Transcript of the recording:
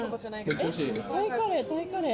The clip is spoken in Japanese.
タイカレー、タイカレー。